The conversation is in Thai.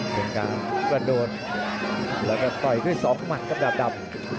เป็นการกระโดดแล้วก็ต่อยอีก๒มัตต์กับดับ